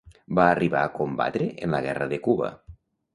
Va arribar a combatre en la guerra de Cuba.